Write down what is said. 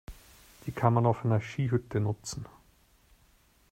Die kann man auf einer Skihütte nutzen.